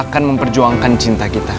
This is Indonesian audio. akan memperjuangkan cinta kita